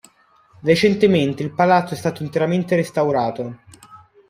Recentemente il palazzo è stato interamente restaurato.